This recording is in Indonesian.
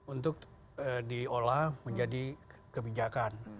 untuk di olah menjadi kebijakan